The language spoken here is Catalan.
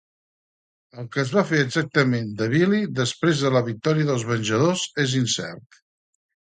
El que es va fer exactament de Billy després de la victòria dels Venjadors és incert.